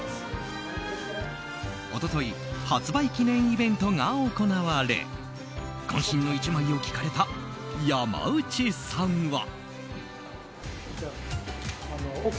一昨日発売記念イベントが行われ渾身の１枚を聞かれた山内さんは。